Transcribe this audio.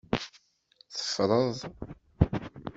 Teffreḍ.